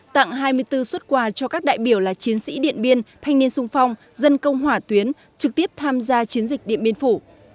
tặng hai mươi bốn xuất quà cho các đại biểu là chiến sĩ điện biên thanh niên sung phong dân công hỏa tuyến trực tiếp tham gia chiến dịch điện biên phủ